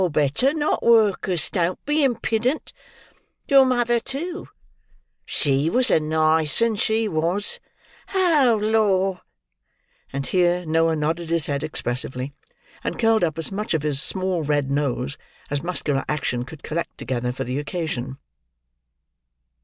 Better not! Work'us, don't be impudent. Your mother, too! She was a nice 'un she was. Oh, Lor!" And here, Noah nodded his head expressively; and curled up as much of his small red nose as muscular action could collect together, for the occasion.